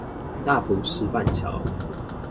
大埔石板橋